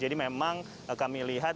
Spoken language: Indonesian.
jadi memang kami lihat